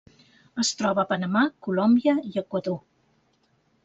Es troba a Panamà, Colòmbia i Equador.